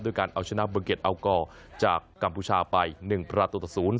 ด้วยการเอาชนะเบอร์เก็ตอัลกอลจากกัมพูชาไป๑พระตุษศูนย์